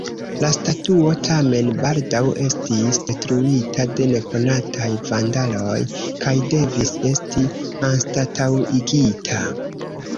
La statuo tamen baldaŭ estis detruita de nekonataj vandaloj kaj devis esti anstataŭigita.